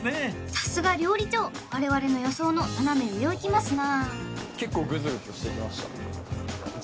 さすが料理長我々の予想の斜め上をいきますな